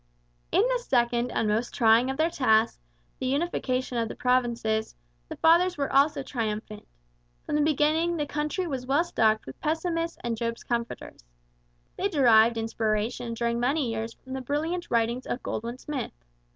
In the second and most trying of their tasks, the unification of the provinces, the Fathers were also triumphant. From the beginning the country was well stocked with pessimists and Job's comforters. They derived inspiration during many years from the brilliant writings of Goldwin Smith.